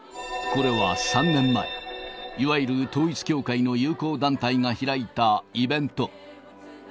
これは３年前、いわゆる統一教会の友好団体が開いたイベント。